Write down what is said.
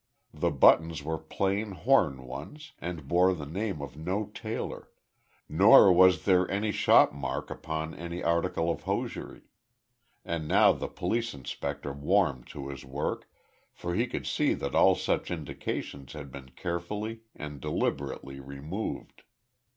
The buttons were plain horn ones, and bore the name of no tailor, nor was there any shop mark upon any article of hosiery; and now the police inspector warmed to his work, for he could see that all such indications had been carefully and deliberately removed.